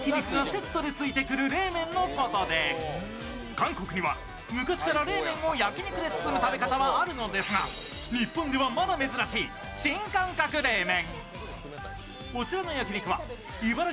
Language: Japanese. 韓国には昔から冷麺を焼き肉で包む食べ方はあるのですが、日本ではまだ珍しい新感覚冷麺。